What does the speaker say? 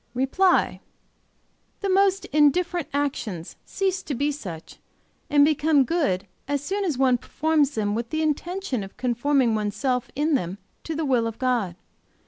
"REPLY. The most indifferent actions cease to be such, and become good as soon as one performs them with the intention of conforming one's self in them to the will of God.